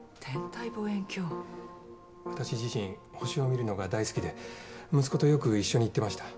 私自身星を見るのが大好きで息子とよく一緒に行ってました。